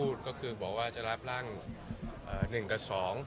อันนี้ก็คือแนวโน้มที่จะไม่รับร่างฉบับประชาชน